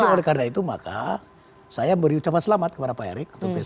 jadi oleh karena itu maka saya memberi ucapan selamat kepada pak erick untuk pssi